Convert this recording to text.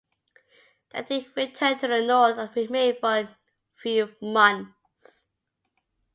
Then he returned to the north and remained for a few months.